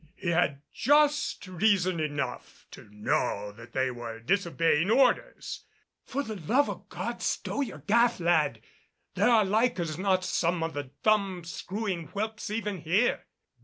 He had just reason enough to know that they were disobeying orders. "For the love o' God stow your gaff, lad, there are like as not some of the thumb screwing whelps even here."